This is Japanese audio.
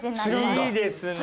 いいですね。